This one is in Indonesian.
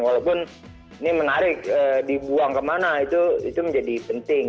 walaupun ini menarik dibuang kemana itu menjadi penting